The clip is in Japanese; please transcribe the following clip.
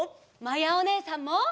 まやおねえさんも。